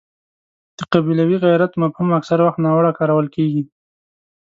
د قبیلوي غیرت مفهوم اکثره وخت ناوړه کارول کېږي.